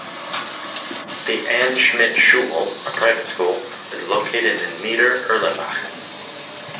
The Anna-Schmidt-Schule, a private school, is located in Nieder-Erlenbach.